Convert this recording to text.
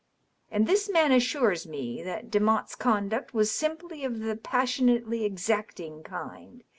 And this man assures me that De motte's conduct was simply of the passionately exacting kind.